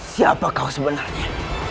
siapa kau sebenarnya